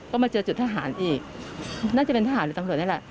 ก็มาเจอจุดทหารอีกน่าจะเป็นทหารหรือตำรวจนี่แหละ